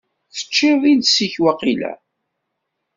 Teččiḍ iles-ik waqila?